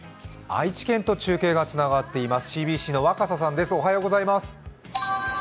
愛知県と中継がつながっています、ＣＢＣの若狭さんです。